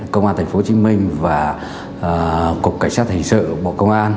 công an thành phố hồ chí minh và cục cảnh sát hình sự bộ công an